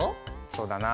そうだな。